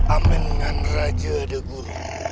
amenan raja degul